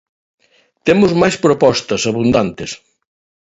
Temos máis propostas, abundantes.